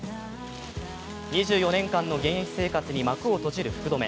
２４年間の現役生活に幕を閉じる福留。